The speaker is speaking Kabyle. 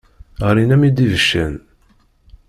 Ɣlin-am-id ibeccan.